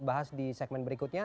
bahas di segmen berikutnya